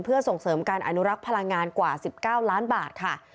เพื่อส่งเสริมการอนุรักษ์พลังงานกว่า๑๙ล้านบาทค่ะ